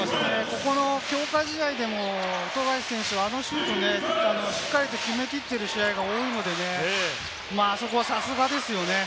ここの強化試合でも富樫選手はあのシュートでしっかり決めきっている試合が多いのでね、あそこはさすがですよね。